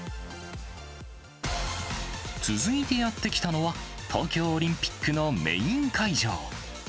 続いてやって来たのは、東京オリンピックのメイン会場。